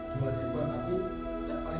kepala kepala kepala